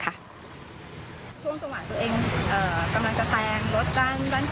นี่แหละค่ะช่วงจังหวัดตัวเองเอ่อกำลังจะแซงรถด้านด้านฝา